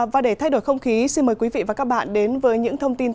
và để thay đổi không khí xin mời quý vị và các bạn đến với những thông tin